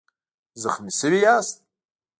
زخمي شوی یاست؟